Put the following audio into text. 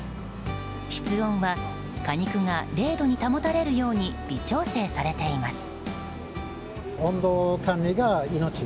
室温は果肉が０度に保たれるように微調整されています。